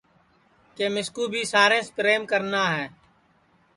کہ مِسکُو بھی ساریںٚس پریم کرنا ہے